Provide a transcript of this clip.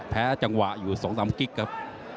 แพ้จังหวะอยู่๒๓กิ๊กครับ